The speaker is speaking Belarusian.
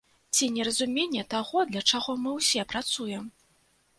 Ці неразуменне таго для чаго мы ўсе працуем?